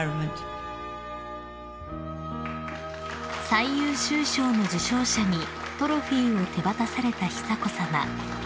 ［最優秀賞の受賞者にトロフィーを手渡された久子さま］